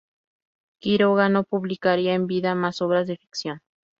Quiroga no publicaría en vida más obras de ficción.